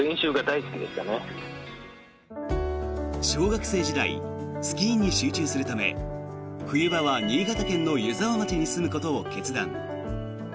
小学生時代スキーに集中するため冬場は新潟県の湯沢町に住むことを決断。